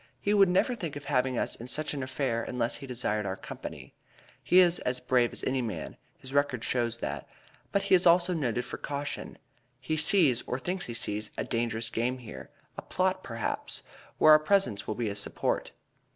He would never think of having us in such an affair unless he desired our company. He is as brave as any man his record shows that; but he is also noted for caution. He sees, or thinks he sees, a dangerous game here a plot, perhaps where our presence will be a support.